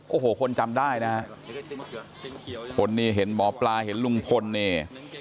โอ้โหคนจำได้นะฮะคนนี้เห็นหมอปลาเห็นลุงพลนี่